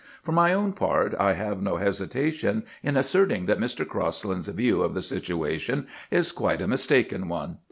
For my own part, I have no hesitation in asserting that Mr. Crosland's view of the situation is quite a mistaken one.